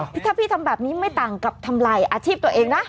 ถ้าพี่ทำแบบนี้ไม่ต่างกับทำลายอาชีพตัวเองนะ